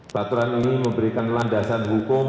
peraturan ini memberikan landasan hukum